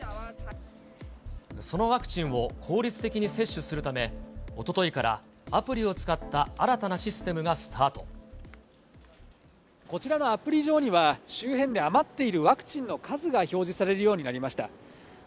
そのワクチンを効率的に接種するため、おとといからアプリを使っこちらのアプリ上には、周辺に余っているワクチンの数が表示されるようになりました。